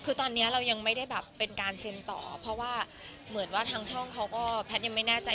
คือตอนนี้เรายังไม่ได้แบบเป็นการเซ็นต่อเพราะว่าเหมือนว่าทางช่องเขาก็แพทย์ยังไม่แน่ใจ